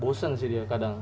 bosan sih dia kadang